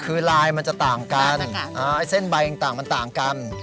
คือลายมันจะต่างกันเส้นใบต่างมันต่างกัน